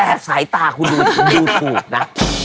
แต่สายตาคุณดูถูกนะ